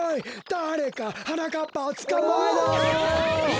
だれかはなかっぱをつかまえろ！